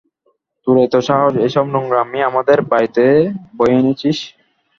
তোর এত সাহস এসব নোংরামি আমাদের বাড়িতে বয়ে এনেছিস!